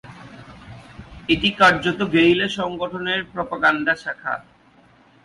এটা কার্যত গেরিলা সংগঠনের প্রোপাগান্ডা শাখা।